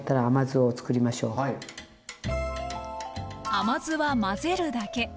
甘酢は混ぜるだけ。